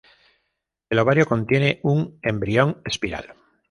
El ovario contiene un embrión espiral.